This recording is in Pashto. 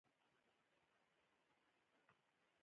ځینې سمندرونه ډېر شور لري.